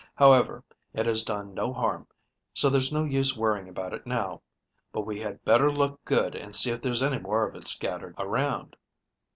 However, it has done no harm, so there's no use worrying about it now, but we had better look good, and see if there's any more of it scattered around."